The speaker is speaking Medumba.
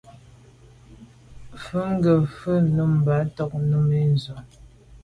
Nùgà fə̀ mfá bɔ̀ mə̀mbâ ntɔ́n Nùmí á sʉ́ á’.